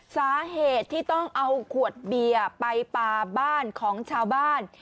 สาเหตุที่ต้องเอาขวดเบียร์ไปปลาบ้านของชาวบ้าน